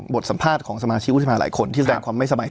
สัมภาษณ์ของสมาชิกวุฒิภาหลายคนที่แสดงความไม่สบาย